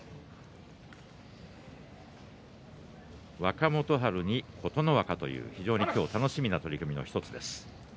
若元春に琴ノ若という今日楽しみな取組の１つです。